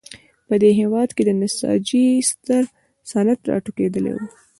په دې هېواد کې د نساجۍ ستر صنعت راټوکېدلی و.